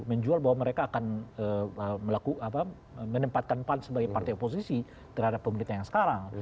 menjual bahwa mereka akan menempatkan pan sebagai partai oposisi terhadap pemerintah yang sekarang